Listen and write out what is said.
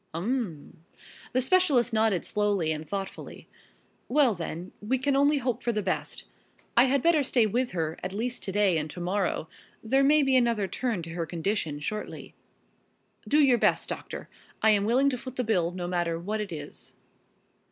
"Um!" The specialist nodded slowly and thoughtfully. "Well then, we can only hope for the best. I had better stay with her, at least to day and to morrow there may be another turn to her condition shortly." "Do your best, doctor. I am willing to foot the bill, no matter what it is."